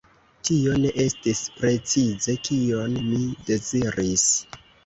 Tio ne estis precize, kion mi deziris.